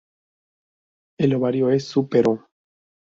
El ovario es súpero.